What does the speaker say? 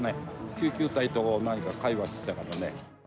救急隊となんか会話してたからね。